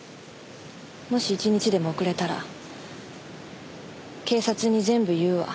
もし１日でも遅れたら警察に全部言うわ。